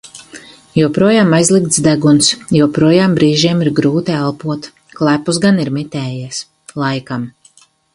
Joprojām aizlikts deguns, joprojām brīžiem ir grūti elpot. klepus gan ir mitējies. laikam.